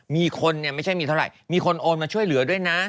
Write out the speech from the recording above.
มีคนเนี่ยไม่ใช่มีเท่าไหร่มีคนโอนมาช่วยเหลือด้วยนะ